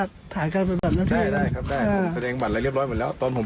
ข้างหลังนี่ครับส่วนเพื่อนครับ